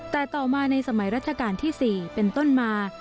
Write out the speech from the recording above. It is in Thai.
แต่ต่อมาในสมัยรัชกาลที่๔เป็นต้นมา